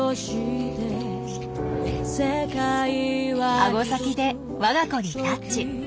アゴ先でわが子にタッチ。